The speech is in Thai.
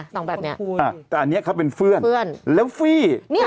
แต่อันนี้เขาเป็นเฟื่อนแล้วฟี่